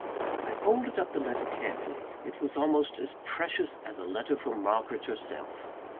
I folded up the letter carefully: it was almost as precious as a letter from Margaret herself.